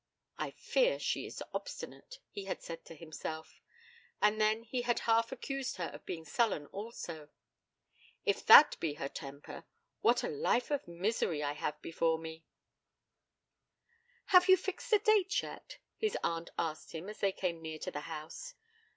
'I fear she is obstinate', he had said to himself, and then he had half accused her of being sullen also. 'If that be her temper, what a life of misery I have before me!' 'Have you fixed a day yet?' his aunt asked him as they came near to her house.